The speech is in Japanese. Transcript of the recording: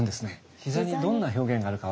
膝にどんな表現があるか分かりますか？